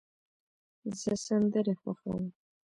زه سندرې خوښوم.